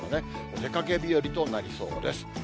お出かけ日和となりそうです。